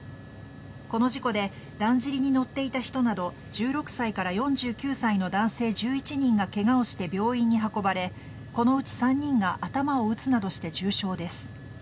この事故でだんじりに乗っていた人など１６歳から４９歳の男性１１人がケガをして病院に運ばれこのうち３人が頭を打つなどして重傷です。